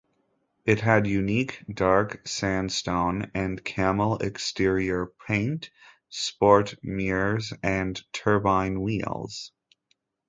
It had unique dark sandstone and camel exterior paint, sport mirrors, and turbine wheels.